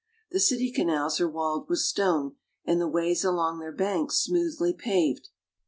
The city canals are walled with stone and the ways along their banks smoothly paved.